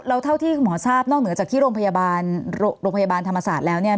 แล้วเท่าที่คุณหมอทราบนอกเหนือจากที่โรงพยาบาลโรงพยาบาลธรรมศาสตร์แล้วเนี่ย